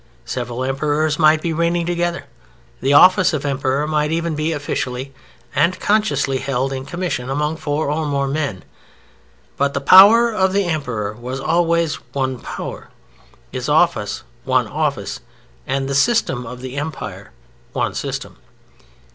Several Emperors might be reigning together. The office of Emperor might even be officially and consciously held in commission among four or more men. But the power of the Emperor was always one power, his office one office, and the system of the Empire one system.